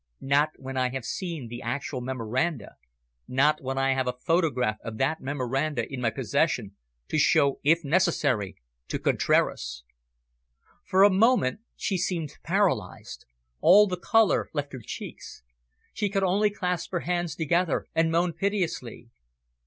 "Not when I have seen the actual memoranda, not when I have a photograph of that memoranda in my possession, to show, if necessary, to Contraras." For a moment she seemed paralysed. All the colour left her cheeks. She could only clasp her hands together and moan piteously.